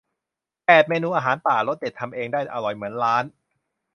แปด เมนูอาหารป่า รสเด็ดทำเองได้อร่อยเหมือนร้าน